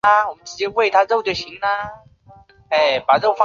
伊泽谷人口变化图示